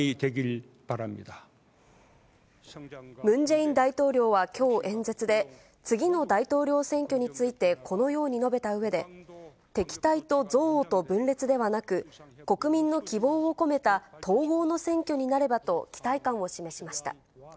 ムン・ジェイン大統領はきょう演説で、次の大統領選挙についてこのように述べたうえで、敵対と憎悪と分裂ではなく、国民の希望を込めた統合の選挙になればと期待感を示しました。